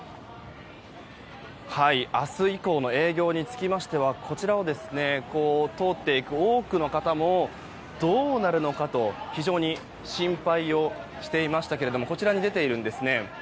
明日以降の営業につきましてはこちらを通っていく多くの方もどうなるのかと、非常に心配をしていましたけれどもこちらに出ているんですね。